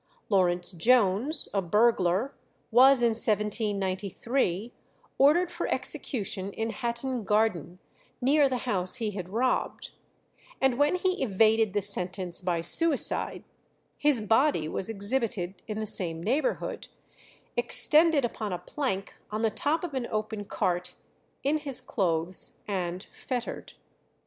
Lawrence Jones, a burglar, was in 1793 ordered for execution in Hatton Garden, near the house he had robbed; and when he evaded the sentence by suicide, his body was exhibited in the same neighbourhood, "extended upon a plank on the top of an open cart, in his clothes, and fettered."